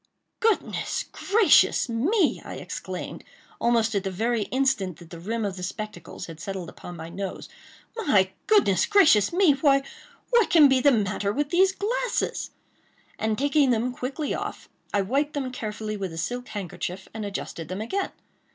"Goodness gracious me!" I exclaimed, almost at the very instant that the rim of the spectacles had settled upon my nose—"My! goodness gracious me!—why, what can be the matter with these glasses?" and taking them quickly off, I wiped them carefully with a silk handkerchief, and adjusted them again.